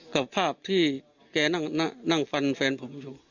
กับภาพที่แกนั่งนั่งนั่งฟันแฟนผมอยู่